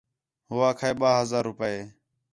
ہو آکھا ہِے ٻَئہ ہزار روپے